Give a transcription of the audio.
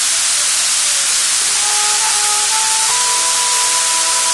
Este jardín botánico está administrado por la Universidad de Dundee.